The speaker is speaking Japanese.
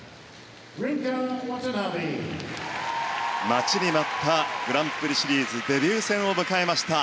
待ちに待ったグランプリシリーズデビュー戦を迎えました。